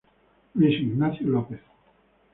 Luis Ignacio López.